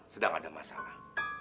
sedang ada masalah